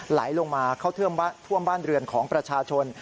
ไหลลงมาเข้าท่วมบ้านเรือนของประชาชน